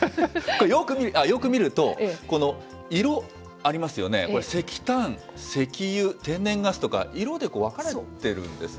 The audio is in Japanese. よく見ると、これ、色ありますよね、これ、石炭、石油、天然ガスとか、色で分かれてるんですね。